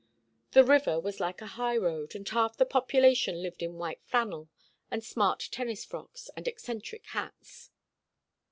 The river was like a high road, and half the population lived in white flannel, and smart tennis frocks, and eccentric hats.